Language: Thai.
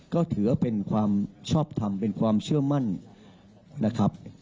ก็ถือว่าเป็นความชอบทำเป็นความเชื่อมั่นนะครับ